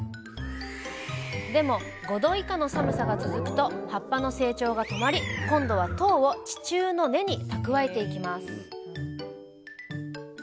でも５℃以下の寒さが続くと葉っぱの成長が止まり今度は糖を地中の根に蓄えていきます